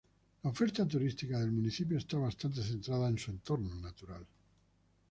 La oferta turística del municipio está bastante centrada en su entorno natural.